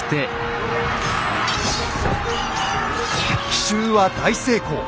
奇襲は大成功。